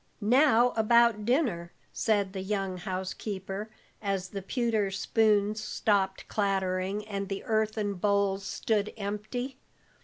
"Now about dinner," said the young housekeeper, as the pewter spoons stopped clattering, and the earthen bowls stood empty.